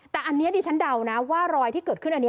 แต่อันนี้ดิฉันเดานะว่ารอยที่เกิดขึ้นอันนี้